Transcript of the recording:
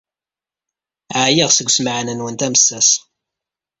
Ɛyiɣ seg ussemɛen-nwent amessas.